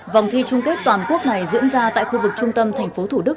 vòng thi chung kết toàn quốc này diễn ra tại khu vực trung tâm tp thủ đức